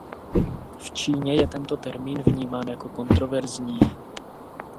V Číně je tento termín vnímán jako kontroverzní.